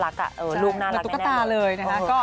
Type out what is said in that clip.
ลูกน่ารักแน่เลยนะครับใช่เป็นตุ๊กตาเลยนะครับ